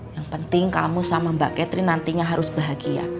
yang penting kamu sama mbak catherine nantinya harus bahagia